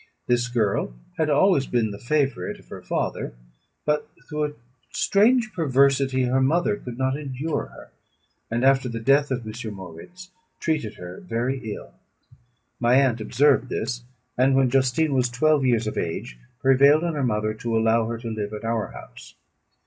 This girl had always been the favourite of her father; but, through a strange perversity, her mother could not endure her, and, after the death of M. Moritz, treated her very ill. My aunt observed this; and, when Justine was twelve years of age, prevailed on her mother to allow her to live at our house.